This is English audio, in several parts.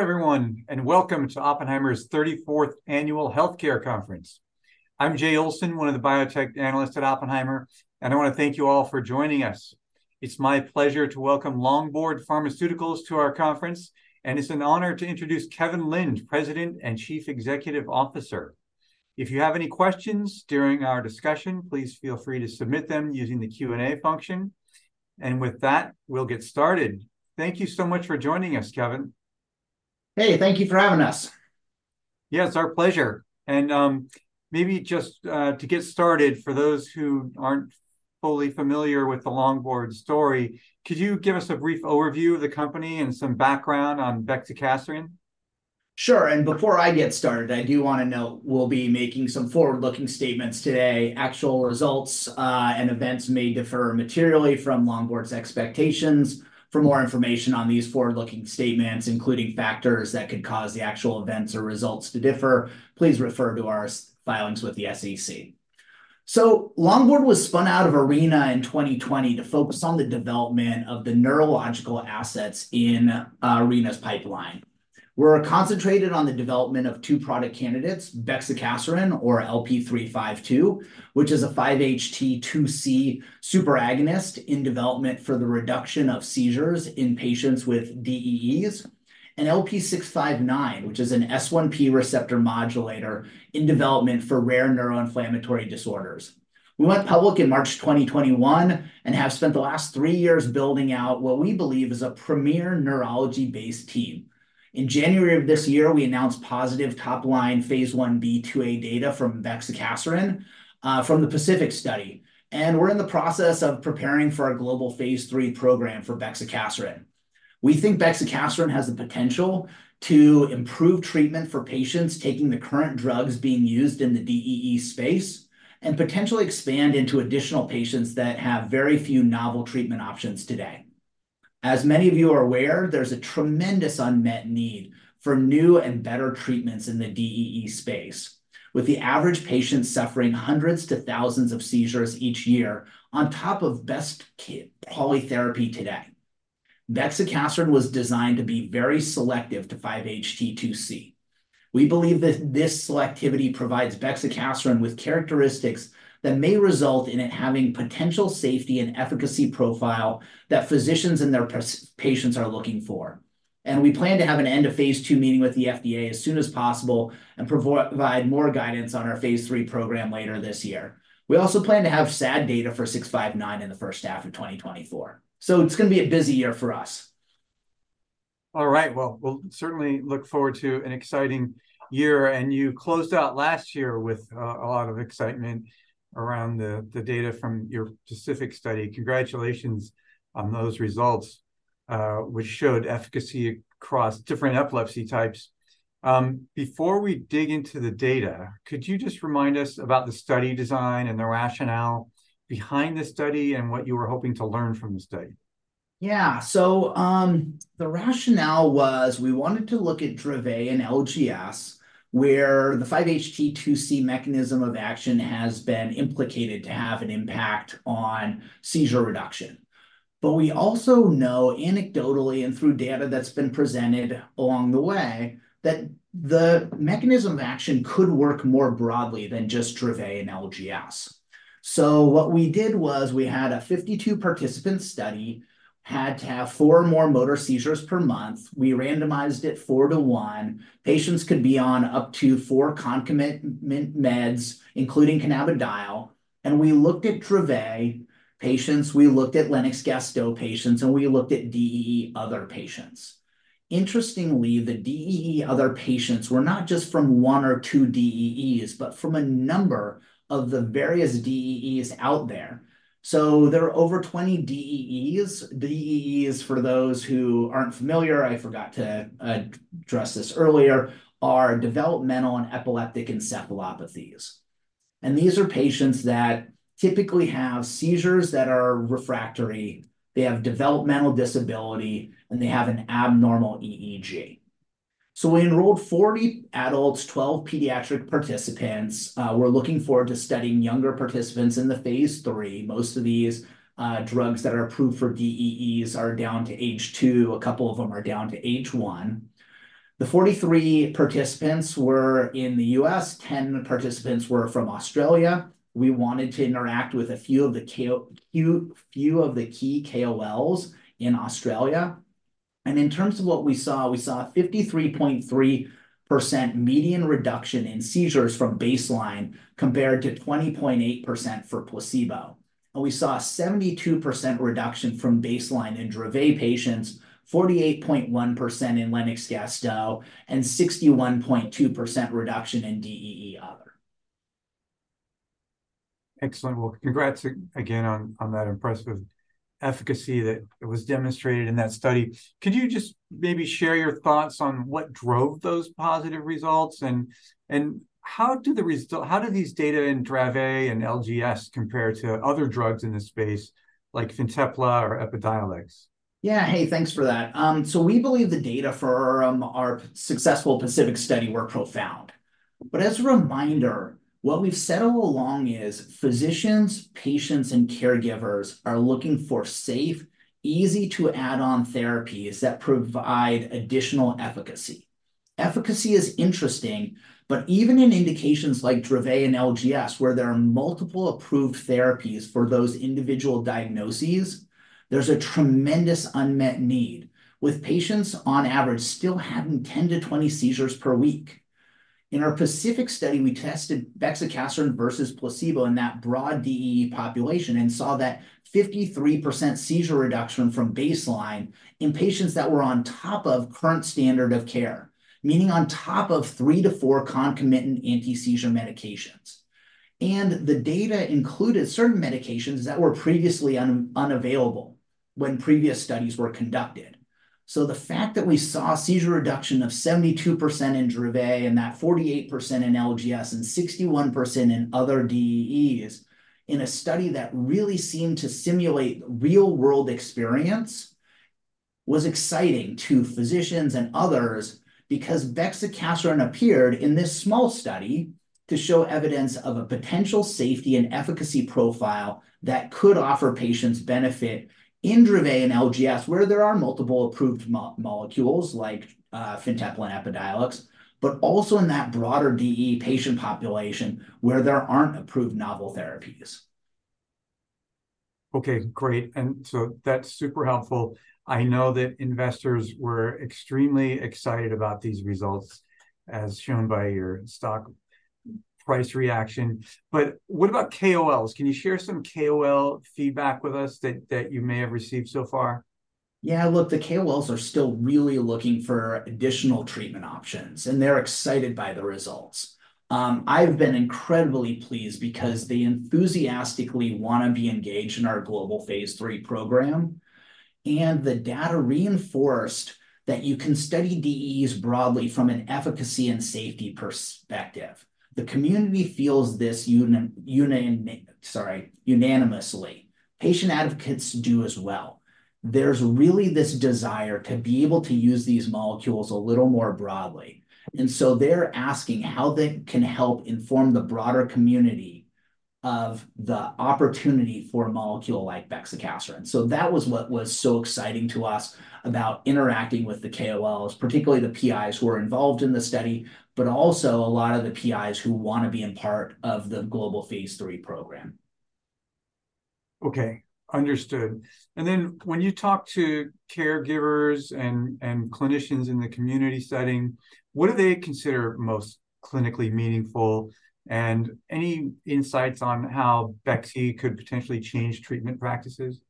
Hello, everyone, and welcome to Oppenheimer's thirty-fourth Annual Healthcare Conference. I'm Jay Olson, one of the biotech analysts at Oppenheimer, and I want to thank you all for joining us. It's my pleasure to welcome Longboard Pharmaceuticals to our conference, and it's an honor to introduce Kevin Lind, President and Chief Executive Officer. If you have any questions during our discussion, please feel free to submit them using the Q&A function. With that, we'll get started. Thank you so much for joining us, Kevin. Hey, thank you for having us. Yeah, it's our pleasure. Maybe just to get started, for those who aren't fully familiar with the Longboard story, could you give us a brief overview of the company and some background on bexicaserin? Sure. Before I get started, I do want to note we'll be making some forward-looking statements today. Actual results and events may differ materially from Longboard's expectations. For more information on these forward-looking statements, including factors that could cause the actual events or results to differ, please refer to our S-1 filings with the SEC. Longboard was spun out of Arena in 2020 to focus on the development of the neurological assets in Arena's pipeline. We're concentrated on the development of two product candidates, bexicaserin, or LP352, which is a 5-HT2C super agonist in development for the reduction of seizures in patients with DEEs, and LP659, which is an S1P receptor modulator in development for rare neuroinflammatory disorders. We went public in March 2021, and have spent the last three years building out what we believe is a premier neurology-based team. In January of this year, we announced positive top-line phase Ib/2a data from bexicaserin from the PACIFIC Study, and we're in the process of preparing for our global Phase III program for bexicaserin. We think bexicaserin has the potential to improve treatment for patients taking the current drugs being used in the DEE space, and potentially expand into additional patients that have very few novel treatment options today. As many of you are aware, there's a tremendous unmet need for new and better treatments in the DEE space, with the average patient suffering hundreds to thousands of seizures each year on top of best polytherapy today. Bexicaserin was designed to be very selective to 5-HT2C. We believe that this selectivity provides bexicaserin with characteristics that may result in it having potential safety and efficacy profile that physicians and their patients are looking for. We plan to have an end of phase II meeting with the FDA as soon as possible, and provide more guidance on our phase III program later this year. We also plan to have SAD data for 659 in the first half of 2024. So it's gonna be a busy year for us. All right. Well, we'll certainly look forward to an exciting year. You closed out last year with a lot of excitement around the data from your PACIFIC Study. Congratulations on those results, which showed efficacy across different epilepsy types. Before we dig into the data, could you just remind us about the study design and the rationale behind the study, and what you were hoping to learn from the study? Yeah. So, the rationale was we wanted to look at Dravet and LGS, where the 5-HT2C mechanism of action has been implicated to have an impact on seizure reduction. But we also know anecdotally and through data that's been presented along the way, that the mechanism of action could work more broadly than just Dravet and LGS. So what we did was we had a 52-participant study, had to have 4 or more motor seizures per month. We randomized it 4 to 1. Patients could be on up to 4 concomitant meds, including cannabidiol, and we looked at Dravet patients, we looked at Lennox-Gastaut patients, and we looked at DEE other patients. Interestingly, the DEE other patients were not just from one or two DEEs, but from a number of the various DEEs out there. So there are over 20 DEEs. DEEs, for those who aren't familiar, I forgot to address this earlier, are developmental and epileptic encephalopathies, and these are patients that typically have seizures that are refractory. They have developmental disability, and they have an abnormal EEG. So we enrolled 40 adults, 12 pediatric participants. We're looking forward to studying younger participants in the phase III. Most of these drugs that are approved for DEEs are down to age 2. A couple of them are down to age 1. The 43 participants were in the U.S., 10 participants were from Australia. We wanted to interact with a few of the key KOLs in Australia. In terms of what we saw, we saw a 53.3% median reduction in seizures from baseline, compared to 20.8% for placebo, and we saw a 72% reduction from baseline in Dravet patients, 48.1% in Lennox-Gastaut, and 61.2% reduction in DEE other. Excellent. Well, congrats again on that impressive efficacy that it was demonstrated in that study. Could you just maybe share your thoughts on what drove those positive results? And how do these data in Dravet and LGS compare to other drugs in this space, like Fintepla or Epidiolex? Yeah. Hey, thanks for that. So we believe the data for our successful PACIFIC Study were profound. But as a reminder, what we've said all along is physicians, patients, and caregivers are looking for safe, easy-to-add-on therapies that provide additional efficacy. Efficacy is interesting, but even in indications like Dravet and LGS, where there are multiple approved therapies for those individual diagnoses, there's a tremendous unmet need, with patients on average still having 10-20 seizures per week. In our PACIFIC Study, we tested bexicaserin versus placebo in that broad DEE population and saw that 53% seizure reduction from baseline in patients that were on top of current standard of care, meaning on top of 3-4 concomitant anti-seizure medications. And the data included certain medications that were previously unavailable when previous studies were conducted. So the fact that we saw a seizure reduction of 72% in Dravet, and that 48% in LGS, and 61% in other DEEs, in a study that really seemed to simulate real world experience, was exciting to physicians and others because bexicaserin appeared, in this small study, to show evidence of a potential safety and efficacy profile that could offer patients benefit in Dravet and LGS, where there are multiple approved molecules like, Fintepla and Epidiolex, but also in that broader DEE patient population, where there aren't approved novel therapies. Okay, great, and so that's super helpful. I know that investors were extremely excited about these results, as shown by your stock price reaction. But what about KOLs? Can you share some KOL feedback with us that you may have received so far? Yeah, look, the KOLs are still really looking for additional treatment options, and they're excited by the results. I've been incredibly pleased because they enthusiastically wanna be engaged in our global phase III program, and the data reinforced that you can study DEEs broadly from an efficacy and safety perspective. The community feels this unanimously. Patient advocates do as well. There's really this desire to be able to use these molecules a little more broadly, and so they're asking how they can help inform the broader community of the opportunity for a molecule like bexicaserin. So that was what was so exciting to us about interacting with the KOLs, particularly the PIs who are involved in the study, but also a lot of the PIs who wanna be a part of the global phase III program. Okay, understood. And then, when you talk to caregivers and clinicians in the community setting, what do they consider most clinically meaningful? And any insights on how bexie could potentially change treatment practices?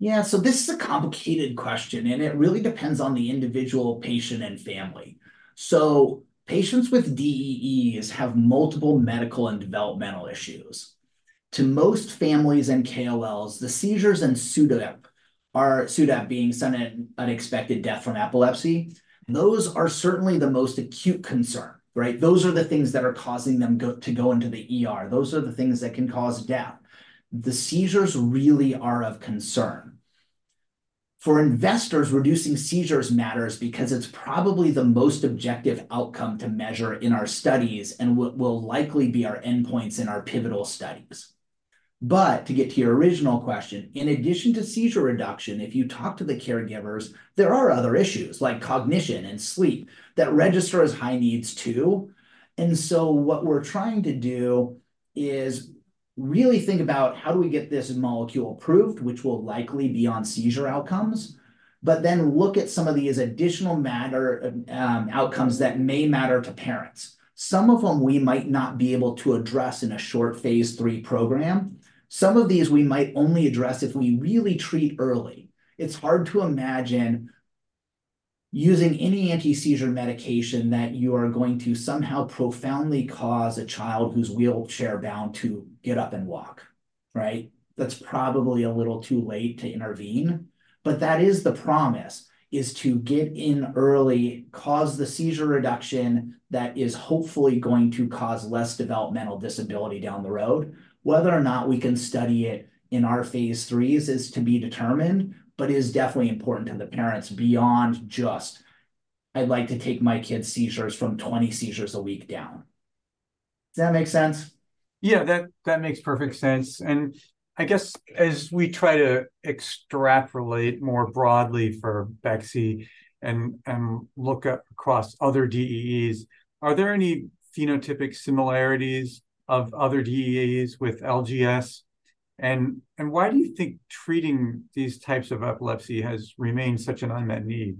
Yeah, so this is a complicated question, and it really depends on the individual patient and family. So patients with DEEs have multiple medical and developmental issues. To most families and KOLs, the seizures and SUDEP, or SUDEP being sudden unexpected death from epilepsy, those are certainly the most acute concern, right? Those are the things that are causing them to go into the ER. Those are the things that can cause death. The seizures really are of concern. For investors, reducing seizures matters because it's probably the most objective outcome to measure in our studies, and will likely be our endpoints in our pivotal studies. But to get to your original question, in addition to seizure reduction, if you talk to the caregivers, there are other issues like cognition and sleep that register as high needs, too. So what we're trying to do is really think about how do we get this molecule approved, which will likely be on seizure outcomes, but then look at some of these additional matter outcomes that may matter to parents. Some of them we might not be able to address in a short phase III program. Some of these we might only address if we really treat early. It's hard to imagine using any anti-seizure medication that you are going to somehow profoundly cause a child who's wheelchair-bound to get up and walk, right? That's probably a little too late to intervene. But that is the promise, is to get in early, cause the seizure reduction that is hopefully going to cause less developmental disability down the road. Whether or not we can study it in our phase IIIs is to be determined, but is definitely important to the parents beyond just, "I'd like to take my kid's seizures from 20 seizures a week down." Does that make sense? Yeah, that makes perfect sense. And I guess as we try to extrapolate more broadly for bexie and look across other DEEs, are there any phenotypic similarities of other DEEs with LGS? And why do you think treating these types of epilepsy has remained such an unmet need?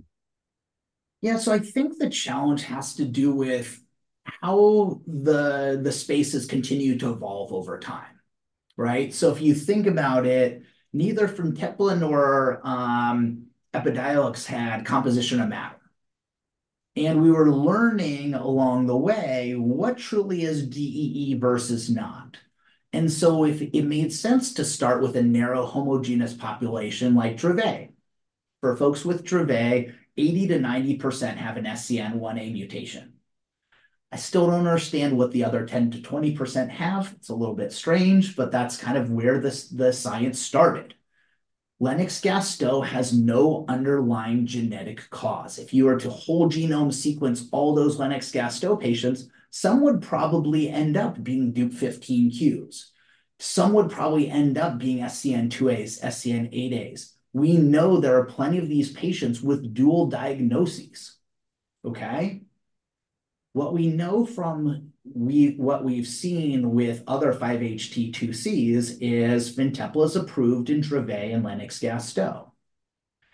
Yeah, so I think the challenge has to do with how the spaces continue to evolve over time, right? So if you think about it, neither Fintepla nor Epidiolex had composition of matter, and we were learning along the way what truly is DEE versus not. And so if it made sense to start with a narrow, homogeneous population like Dravet. For folks with Dravet, 80%-90% have an SCN1A mutation. I still don't understand what the other 10%-20% have. It's a little bit strange, but that's kind of where the science started. Lennox-Gastaut has no underlying genetic cause. If you were to whole genome sequence all those Lennox-Gastaut patients, some would probably end up being Dup15qs. Some would probably end up being SCN2As, SCN8As. We know there are plenty of these patients with dual diagnoses, okay? What we know from what we've seen with other 5-HT2Cs is Fintepla is approved in Dravet and Lennox-Gastaut,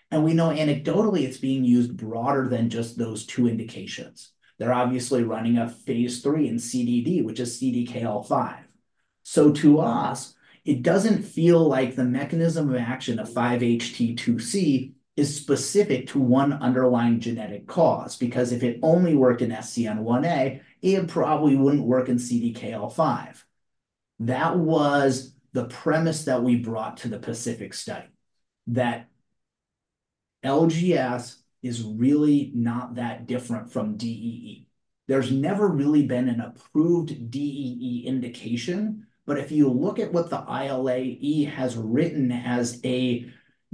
and we know anecdotally it's being used broader than just those two indications. They're obviously running a phase III in CDD, which is CDKL5. So to us, it doesn't feel like the mechanism of action of 5-HT2C is specific to one underlying genetic cause, because if it only worked in SCN1A, it probably wouldn't work in CDKL5. That was the premise that we brought to the Pacific study, that LGS is really not that different from DEE. There's never really been an approved DEE indication, but if you look at what the ILAE has written as a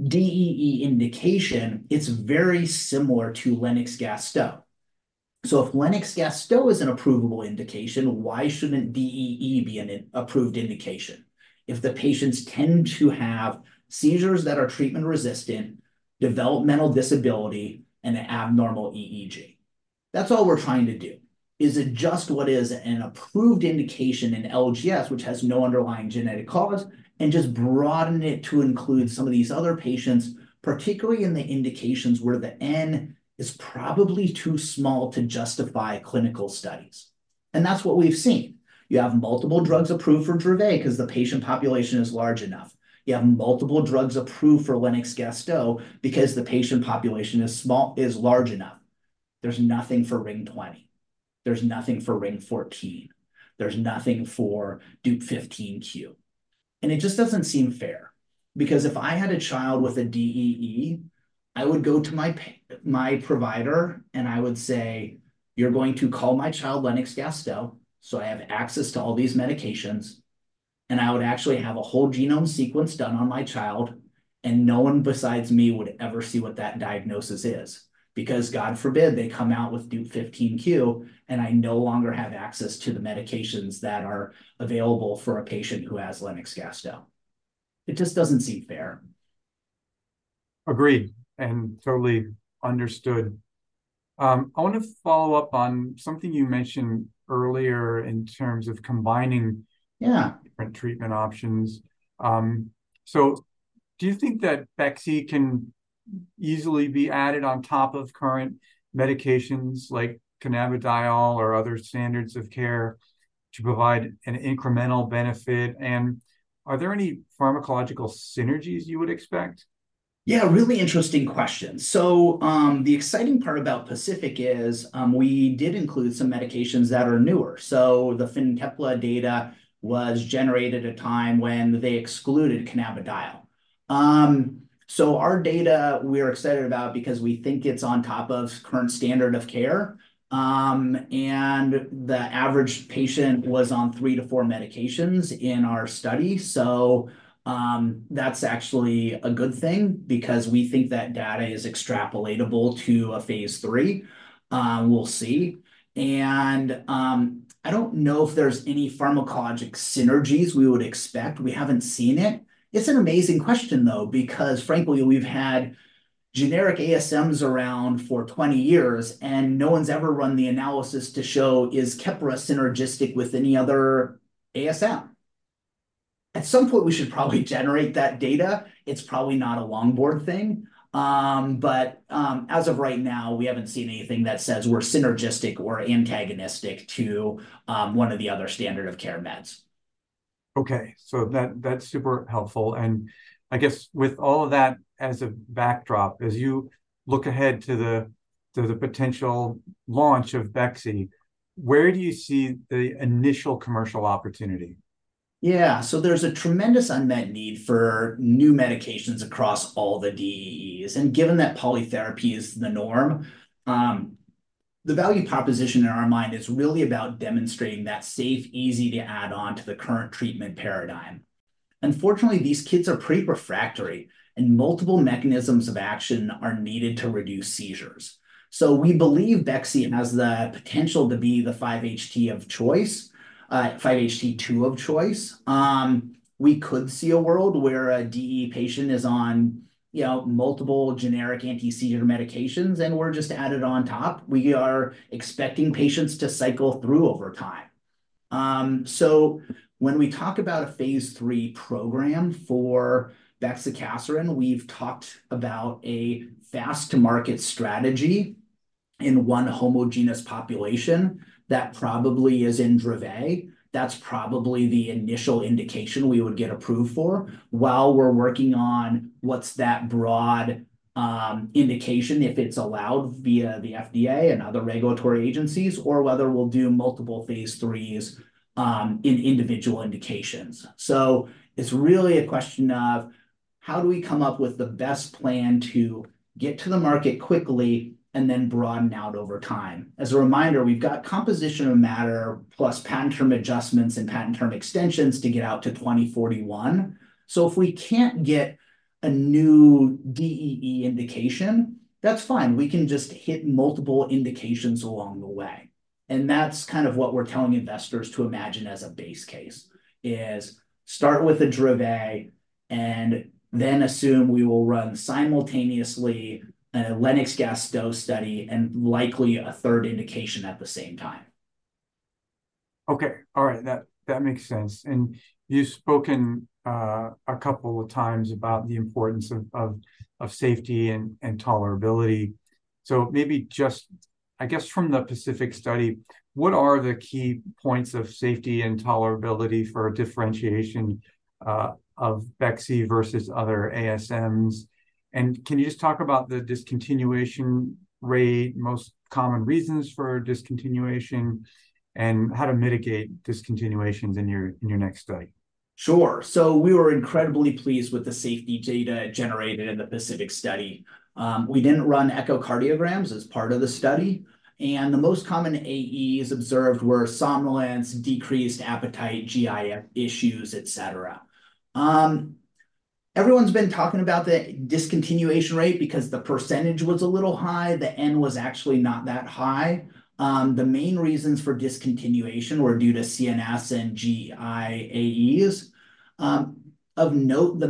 DEE indication, it's very similar to Lennox-Gastaut. So if Lennox-Gastaut is an approvable indication, why shouldn't DEE be an approved indication? If the patients tend to have seizures that are treatment-resistant, developmental disability, and an abnormal EEG. That's all we're trying to do, is adjust what is an approved indication in LGS, which has no underlying genetic cause, and just broaden it to include some of these other patients, particularly in the indications where the N is probably too small to justify clinical studies. That's what we've seen. You have multiple drugs approved for Dravet because the patient population is large enough. You have multiple drugs approved for Lennox-Gastaut because the patient population is large enough. There's nothing for Ring 20. There's nothing for Ring 14. There's nothing for Dup15q. It just doesn't seem fair, because if I had a child with a DEE, I would go to my provider, and I would say, "You're going to call my child Lennox-Gastaut, so I have access to all these medications," and I would actually have a whole genome sequence done on my child, and no one besides me would ever see what that diagnosis is. Because God forbid, they come out with Dup15q, and I no longer have access to the medications that are available for a patient who has Lennox-Gastaut. It just doesn't seem fair. Agreed, and totally understood. I want to follow up on something you mentioned earlier in terms of combining- Yeah... different treatment options. So do you think that bexie can easily be added on top of current medications like cannabidiol or other standards of care to provide an incremental benefit, and are there any pharmacological synergies you would expect? Yeah, really interesting question. So, the exciting part about PACIFIC is, we did include some medications that are newer. So the Fintepla data was generated at a time when they excluded cannabidiol. So our data, we're excited about because we think it's on top of current standard of care. And the average patient was on 3-4 medications in our study. So, that's actually a good thing because we think that data is extrapolatable to a phase three. We'll see. And, I don't know if there's any pharmacologic synergies we would expect. We haven't seen it. It's an amazing question, though, because frankly, we've had generic ASMs around for 20 years, and no one's ever run the analysis to show is Keppra synergistic with any other ASM. At some point, we should probably generate that data. It's probably not a Longboard thing. But, as of right now, we haven't seen anything that says we're synergistic or antagonistic to one of the other standard of care meds. Okay. So that, that's super helpful. And I guess with all of that as a backdrop, as you look ahead to the, to the potential launch of bexicaserin, where do you see the initial commercial opportunity? Yeah. So there's a tremendous unmet need for new medications across all the DEEs, and given that polytherapy is the norm, the value proposition in our mind is really about demonstrating that safe, easy to add on to the current treatment paradigm. Unfortunately, these kids are pretty refractory, and multiple mechanisms of action are needed to reduce seizures. So we believe bexicaserin has the potential to be the 5-HT2C of choice. We could see a world where a DEE patient is on, you know, multiple generic anti-seizure medications, and we're just added on top. We are expecting patients to cycle through over time. So when we talk about a phase III program for bexicaserin, we've talked about a fast-to-market strategy in one homogenous population that probably is in Dravet. That's probably the initial indication we would get approved for while we're working on what's that broad indication, if it's allowed via the FDA and other regulatory agencies, or whether we'll do multiple phase IIIs in individual indications. So it's really a question of how do we come up with the best plan to get to the market quickly and then broaden out over time? As a reminder, we've got composition of matter, plus patent term adjustments and patent term extensions to get out to 2041. So if we can't get a new DEE indication, that's fine. We can just hit multiple indications along the way, and that's kind of what we're telling investors to imagine as a base case, is start with the Dravet, and then assume we will run simultaneously a Lennox-Gastaut study and likely a third indication at the same time. Okay. All right. That makes sense. And you've spoken a couple of times about the importance of safety and tolerability. So maybe just, I guess, from the PACIFIC Study, what are the key points of safety and tolerability for differentiation of bexi versus other ASMs? And can you just talk about the discontinuation rate, most common reasons for discontinuation, and how to mitigate discontinuations in your next study? Sure. So we were incredibly pleased with the safety data generated in the PACIFIC Study. We didn't run echocardiograms as part of the study, and the most common AEs observed were somnolence, decreased appetite, GI issues, et cetera. Everyone's been talking about the discontinuation rate, because the percentage was a little high. The N was actually not that high. The main reasons for discontinuation were due to CNS and GI AEs. Of note, the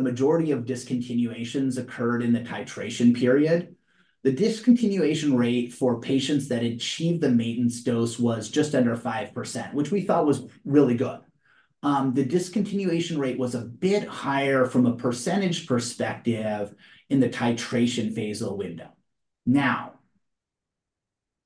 majority of discontinuations occurred in the titration period. The discontinuation rate for patients that achieved the maintenance dose was just under 5%, which we thought was really good. The discontinuation rate was a bit higher from a percentage perspective in the titration phase window. Now,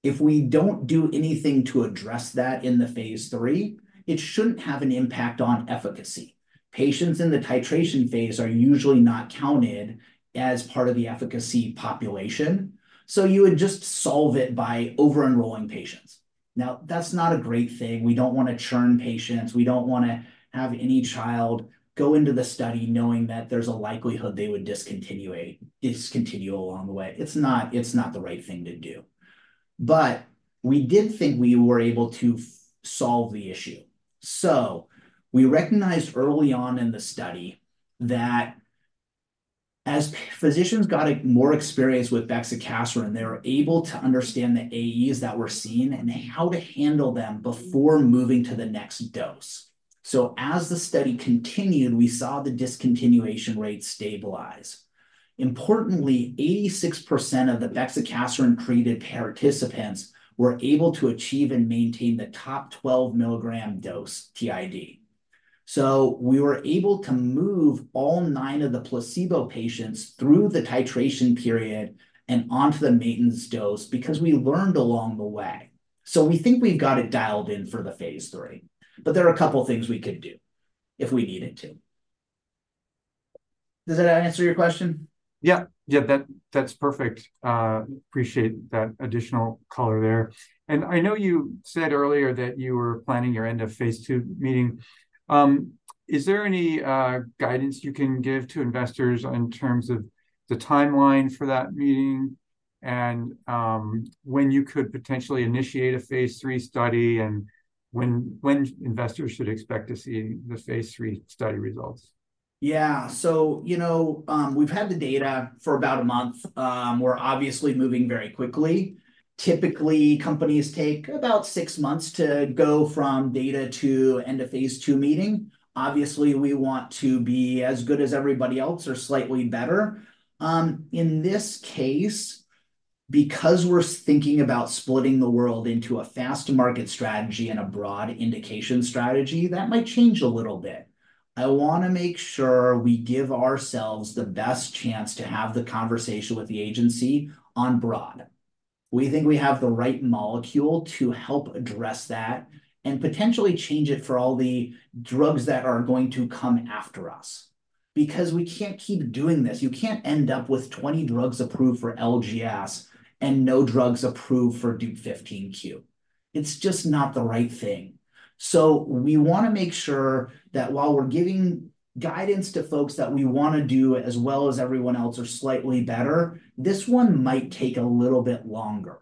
if we don't do anything to address that in phase III, it shouldn't have an impact on efficacy. Patients in the titration phase are usually not counted as part of the efficacy population, so you would just solve it by over-enrolling patients. Now, that's not a great thing. We don't wanna churn patients. We don't wanna have any child go into the study knowing that there's a likelihood they would discontinue along the way. It's not, it's not the right thing to do. But we did think we were able to solve the issue. So we recognized early on in the study that as physicians got more experienced with bexicaserin, they were able to understand the AEs that we're seeing and how to handle them before moving to the next dose. So as the study continued, we saw the discontinuation rate stabilize. Importantly, 86% of the bexicaserin treated participants were able to achieve and maintain the top 12 mg dose TID. So we were able to move all 9 of the placebo patients through the titration period and onto the maintenance dose because we learned along the way. So we think we've got it dialed in for the phase III, but there are a couple of things we could do if we needed to. Does that answer your question? Yeah. Yeah, that, that's perfect. Appreciate that additional color there. And I know you said earlier that you were planning your end of phase II meeting. Is there any guidance you can give to investors in terms of the timeline for that meeting, and when you could potentially initiate a phase III study, and when investors should expect to see the phase III study results? Yeah. So, you know, we've had the data for about a month. We're obviously moving very quickly. Typically, companies take about six months to go from data to end of phase II meeting. Obviously, we want to be as good as everybody else or slightly better. In this case, because we're thinking about splitting the world into a fast-to-market strategy and a broad indication strategy, that might change a little bit. I wanna make sure we give ourselves the best chance to have the conversation with the agency on broad. We think we have the right molecule to help address that and potentially change it for all the drugs that are going to come after us, because we can't keep doing this. You can't end up with 20 drugs approved for LGS and no drugs approved for Dup15q. It's just not the right thing. So we wanna make sure that while we're giving guidance to folks that we wanna do as well as everyone else or slightly better, this one might take a little bit longer.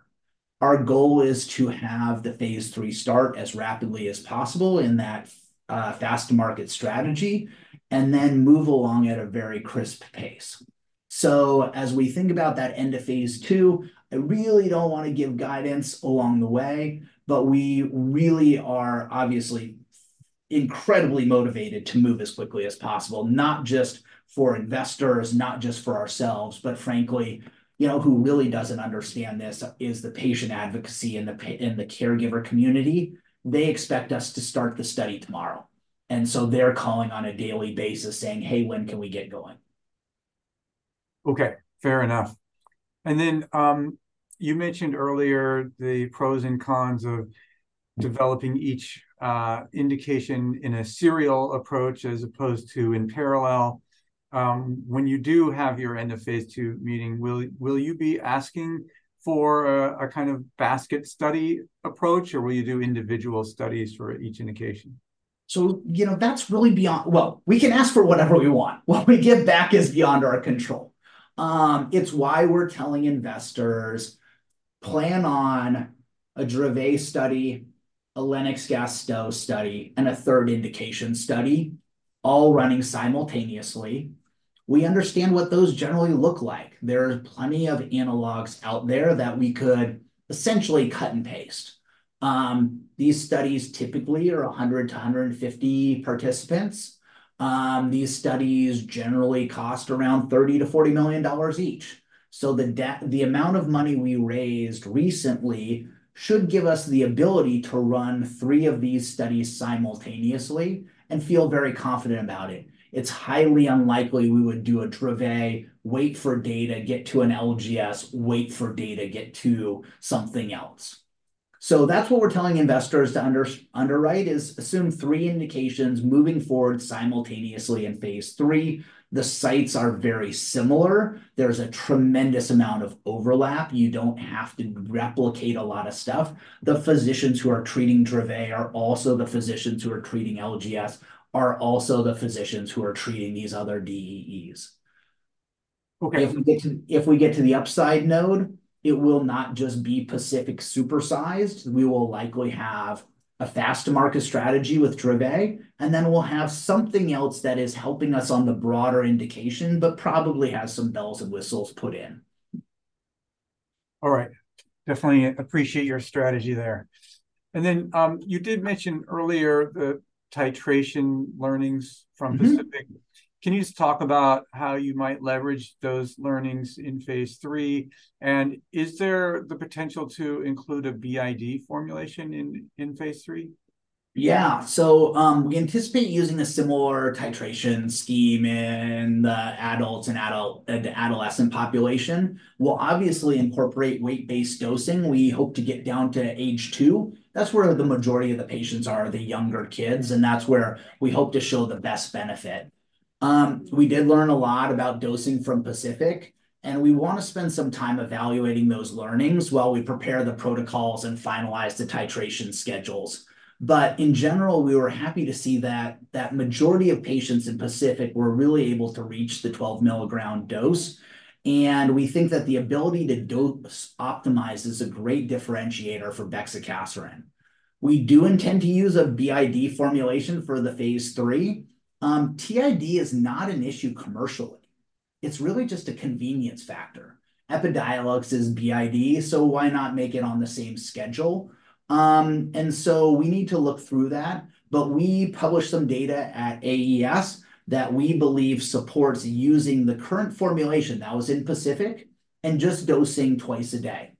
Our goal is to have the phase III start as rapidly as possible in that fast-to-market strategy, and then move along at a very crisp pace. So as we think about that end of phase II, I really don't wanna give guidance along the way, but we really are obviously incredibly motivated to move as quickly as possible, not just for investors, not just for ourselves, but frankly, you know, who really doesn't understand this is the patient advocacy and the caregiver community. They expect us to start the study tomorrow, and so they're calling on a daily basis saying, Hey, when can we get going? Okay, fair enough. And then, you mentioned earlier the pros and cons of developing each indication in a serial approach as opposed to in parallel. When you do have your end of phase II meeting, will you be asking for a kind of basket study approach, or will you do individual studies for each indication?... So, you know, that's really beyond. Well, we can ask for whatever we want. What we get back is beyond our control. It's why we're telling investors, plan on a Dravet study, a Lennox-Gastaut study, and a third indication study, all running simultaneously. We understand what those generally look like. There are plenty of analogs out there that we could essentially cut and paste. These studies typically are 100-150 participants. These studies generally cost around $30 million-$40 million each. So the amount of money we raised recently should give us the ability to run three of these studies simultaneously and feel very confident about it. It's highly unlikely we would do a Dravet, wait for data, get to an LGS, wait for data, get to something else. So that's what we're telling investors to underwrite is, assume three indications moving forward simultaneously in phase three. The sites are very similar. There's a tremendous amount of overlap. You don't have to replicate a lot of stuff. The physicians who are treating Dravet are also the physicians who are treating LGS, are also the physicians who are treating these other DEEs. Okay. If we get to the upside node, it will not just be Pacific supersized. We will likely have a fast-to-market strategy with Dravet, and then we'll have something else that is helping us on the broader indication, but probably has some bells and whistles put in. All right. Definitely appreciate your strategy there. And then, you did mention earlier the titration learnings from- Mm-hmm... PACIFIC. Can you just talk about how you might leverage those learnings in phase III? And is there the potential to include a BID formulation in phase III? Yeah. So, we anticipate using a similar titration scheme in the adults and adolescents. We'll obviously incorporate weight-based dosing. We hope to get down to age 2. That's where the majority of the patients are, the younger kids, and that's where we hope to show the best benefit. We did learn a lot about dosing from Pacific, and we want to spend some time evaluating those learnings while we prepare the protocols and finalize the titration schedules. But in general, we were happy to see that majority of patients in Pacific were really able to reach the 12-milligram dose, and we think that the ability to dose optimize is a great differentiator for bexicaserin. We do intend to use a BID formulation for the phase III. TID is not an issue commercially. It's really just a convenience factor. Epidiolex is BID, so why not make it on the same schedule? And so we need to look through that, but we published some data at AES that we believe supports using the current formulation that was in Pacific, and just dosing twice a day.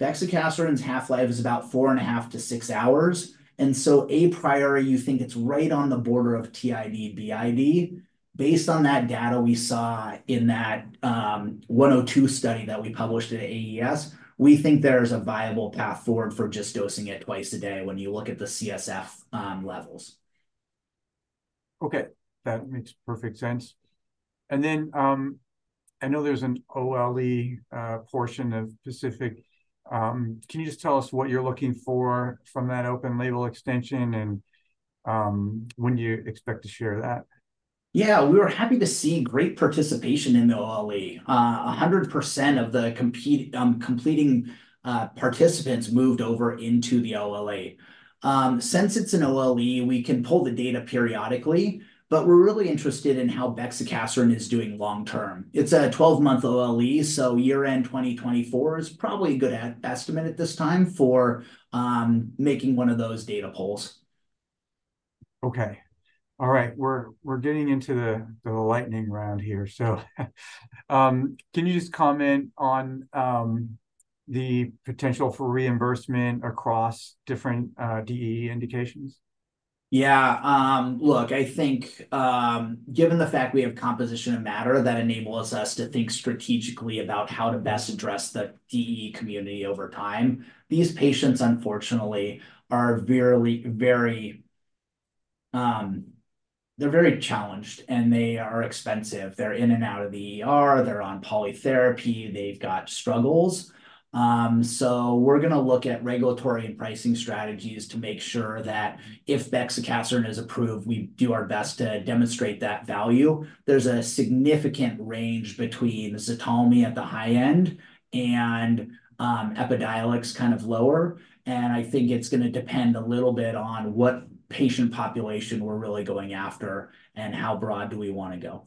Bexicaserin's half-life is about 4.5-6 hours, and so a priori, you think it's right on the border of TID, BID. Based on that data we saw in that, 102 study that we published at AES, we think there's a viable path forward for just dosing it twice a day when you look at the CSF levels. Okay, that makes perfect sense. And then, I know there's an OLE portion of PACIFIC. Can you just tell us what you're looking for from that open-label extension, and when do you expect to share that? Yeah, we were happy to see great participation in the OLE. A hundred percent of the completing participants moved over into the OLE. Since it's an OLE, we can pull the data periodically, but we're really interested in how bexicaserin is doing long term. It's a 12-month OLE, so year-end 2024 is probably a good estimate at this time for making one of those data pulls. Okay. All right, we're getting into the lightning round here. So, can you just comment on the potential for reimbursement across different DEE indications? Yeah. Look, I think, given the fact we have composition of matter, that enables us to think strategically about how to best address the DEE community over time. These patients, unfortunately, are very, very challenged, and they are expensive. They're in and out of the ER, they're on polytherapy, they've got struggles. So we're gonna look at regulatory and pricing strategies to make sure that if bexicaserin is approved, we do our best to demonstrate that value. There's a significant range between Ztalmy at the high end and Epidiolex kind of lower, and I think it's gonna depend a little bit on what patient population we're really going after and how broad do we wanna go.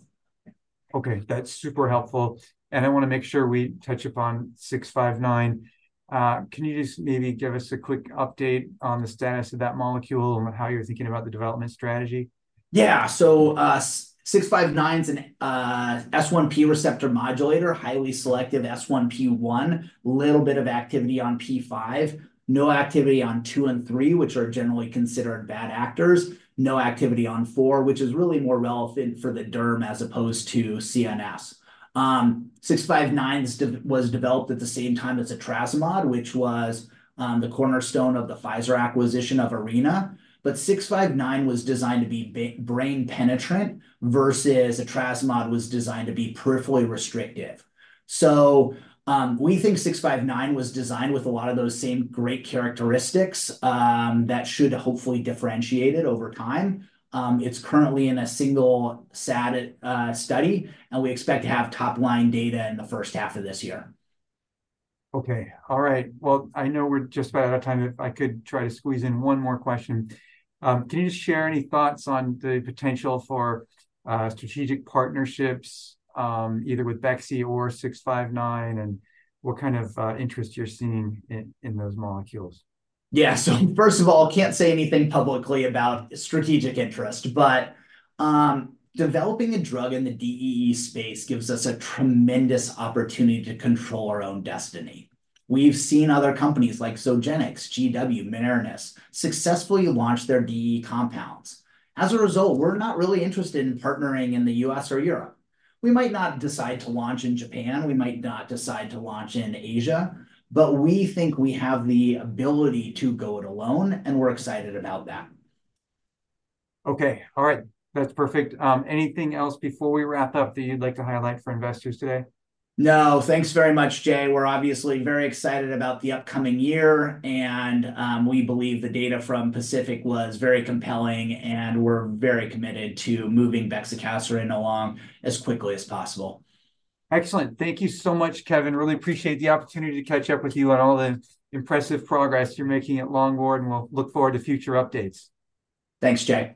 Okay, that's super helpful. I wanna make sure we touch upon 659. Can you just maybe give us a quick update on the status of that molecule and how you're thinking about the development strategy? Yeah. So, LP659's an S1P receptor modulator, highly selective S1P1, little bit of activity on S1P5, no activity on two and three, which are generally considered bad actors, no activity on four, which is really more relevant for the derm as opposed to CNS. LP659 was developed at the same time as etrasimod, which was the cornerstone of the Pfizer acquisition of Arena. But LP659 was designed to be brain penetrant versus etrasimod was designed to be peripherally restrictive. So, we think LP659 was designed with a lot of those same great characteristics that should hopefully differentiate it over time. It's currently in a SAD study, and we expect to have top-line data in the first half of this year. Okay. All right. Well, I know we're just about out of time, if I could try to squeeze in one more question. Can you just share any thoughts on the potential for strategic partnerships, either with bexicaserin or LP659, and what kind of interest you're seeing in those molecules? Yeah. So first of all, can't say anything publicly about strategic interest, but, developing a drug in the DEE space gives us a tremendous opportunity to control our own destiny. We've seen other companies like Zogenix, GW, Marinus, successfully launch their DEE compounds. As a result, we're not really interested in partnering in the U.S. or Europe. We might not decide to launch in Japan, we might not decide to launch in Asia, but we think we have the ability to go it alone, and we're excited about that. Okay. All right. That's perfect. Anything else before we wrap up that you'd like to highlight for investors today? No, thanks very much, Jay. We're obviously very excited about the upcoming year, and we believe the data from PACIFIC was very compelling, and we're very committed to moving bexicaserin along as quickly as possible. Excellent. Thank you so much, Kevin. Really appreciate the opportunity to catch up with you on all the impressive progress you're making at Longboard, and we'll look forward to future updates. Thanks, Jay. Thank you.